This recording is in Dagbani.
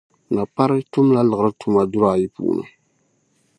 Napari tumla liɣiri tuma dur' ayi ni puuni.